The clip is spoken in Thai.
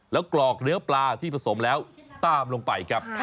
แล้วกรอกเนื้อปลาที่ผสมแล้วตามลงไปครับ